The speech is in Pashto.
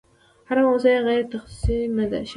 هره موضوع یې غیر تخصصي نه ده شاربلې.